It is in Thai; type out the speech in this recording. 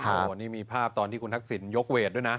โอ้โหนี่มีภาพตอนที่คุณทักษิณยกเวทด้วยนะ